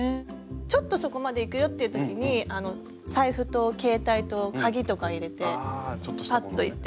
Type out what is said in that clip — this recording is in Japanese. ちょっとそこまで行くよっていうときに財布と携帯と鍵とか入れてパッと行って。